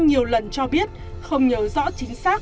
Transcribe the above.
nhiều lần cho biết không nhớ rõ chính xác